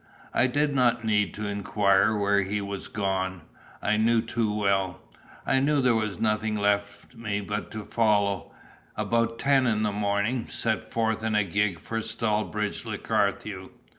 I did not need to inquire where he was gone, I knew too well, I knew there was nothing left me but to follow; and about ten in the morning, set forth in a gig for Stallbridge le Carthew.